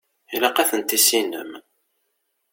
Ilaq ad ten-tissinem.